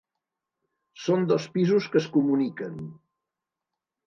Són dos pisos que es comuniquen.